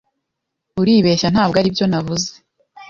Uribeshya. Ntabwo aribyo navuze.